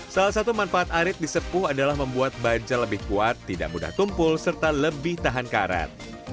salah satu manfaat arit di sepuh adalah membuat baja lebih kuat tidak mudah tumpul serta lebih tahan karet